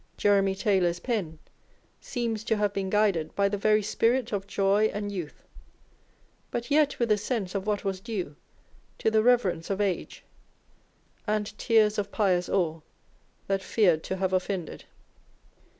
Jeremy Taylor's pen seems to have been guided by the very spirit of joy and youth, but yet with a sense of what was due to the reverence of age, and " tears of pious awe, that feared to have offended."